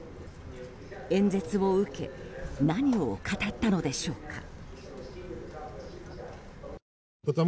演説を受け何を語ったのでしょうか。